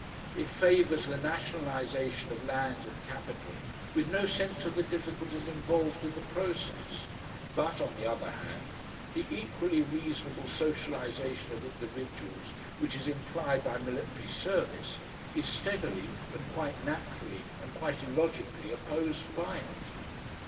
It favours the nationalisation of land and capital with no sense of the difficulties involved in the process; but, on the other hand, the equally reasonable socialisation of individuals which is implied by military service is steadily and quite naturally and quite illogically opposed by it.